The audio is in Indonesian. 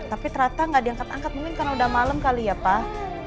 tapi ternyata nggak diangkat angkat mungkin karena udah malam kali ya pak